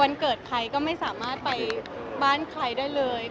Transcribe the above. เกิดใครก็ไม่สามารถไปบ้านใครได้เลย